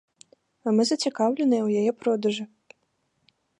А мы зацікаўленыя ў яе продажы.